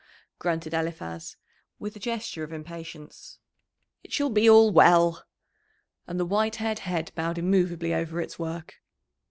grunted Eliphaz, with a gesture of impatience. "It shall be all well." And the white haired head bowed immovably over its work.